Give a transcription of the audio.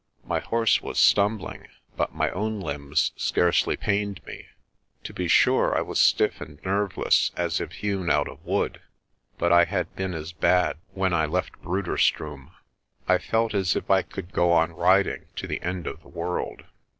My horse was stumbling but my own limbs scarcely pained me. To be sure I was stiff and nerveless as if hewn out of wood, but I had been as bad when I left Bruderstroom. I felt as if I could go on riding to the end of the world.